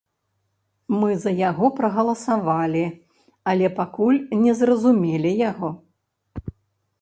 Мы за яго прагаласавалі, але пакуль не зразумелі яго.